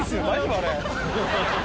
あれ。